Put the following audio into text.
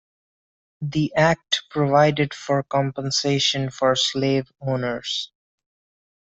The Act provided for compensation for slave-owners.